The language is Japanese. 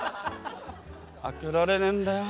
「開けられねんだよ」。